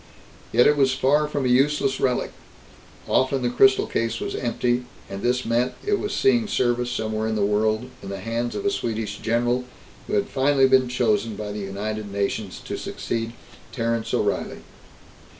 Yet it was far from a useless relic. Often the crystal case was empty, and this meant it was seeing service somewhere in the world, in the hands of a Swedish general who had finally been chosen by the United Nations to succeed Terence O'Reilly.